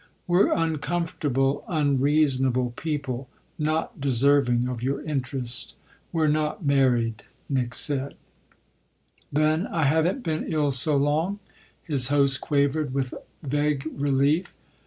"We're uncomfortable, unreasonable people, not deserving of your interest. We're not married," Nick said. "Then I haven't been ill so long?" his host quavered with vague relief.